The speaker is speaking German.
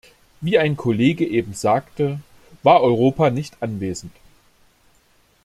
Wie ein Kollege eben sagte, war Europa nicht anwesend.